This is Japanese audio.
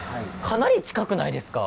かなり近くないですか？